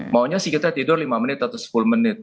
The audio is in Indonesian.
maunya sih kita tidur lima menit atau sepuluh menit